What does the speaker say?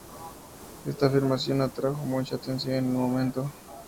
Esta afirmación atrajo mucha atención en el momento.